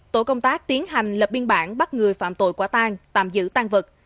tổ công tác tiến hành lập biên bản bắt người phạm tội quả tang tạm giữ tan vật